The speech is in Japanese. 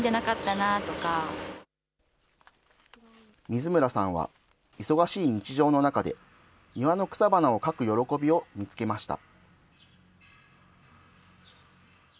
水村さんは忙しい日常の中で、庭の草花を描く喜びを見つけました。